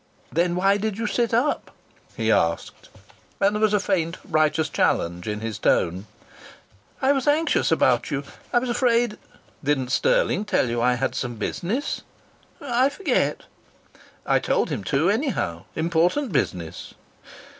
"Then why did you sit up?" he asked, and there was a faint righteous challenge in his tone. "I was anxious about you. I was afraid " "Didn't Stirling tell you I had some business?" "I forget " "I told him to, anyhow.... Important business."